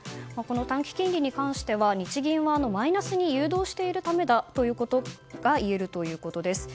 短期金利に関しては日銀はマイナスに誘導しているためだということがいえるということです。